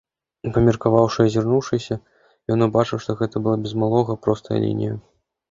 Памеркаваўшы і азірнуўшыся, ён убачыў, што гэта была, без малога, простая лінія.